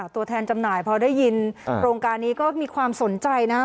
ตัวแทนจำหน่ายพอได้ยินโครงการนี้ก็มีความสนใจนะครับ